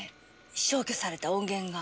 消去された音源が。